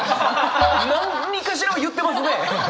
何かしらは言ってますね！